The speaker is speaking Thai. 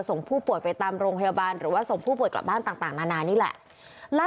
ส่งผู้ป่วยไปตามโรงพยาบาลหรือว่าส่งผู้ป่วยกลับบ้านต่างนานานี่แหละ